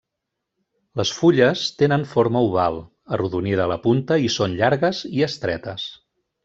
Les fulles tenen forma oval, arrodonida a la punta i són llargues i estretes.